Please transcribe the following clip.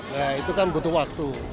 nah itu kan butuh waktu